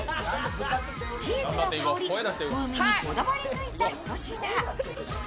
チーズの香り、風味にこだわり抜いたひと品。